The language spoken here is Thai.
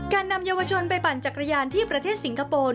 นำเยาวชนไปปั่นจักรยานที่ประเทศสิงคโปร์